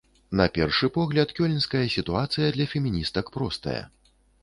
На першы погляд, кёльнская сітуацыя для феміністак простая.